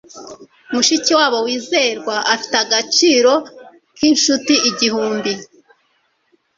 mushikiwabo wizerwa afite agaciro k'inshuti igihumbi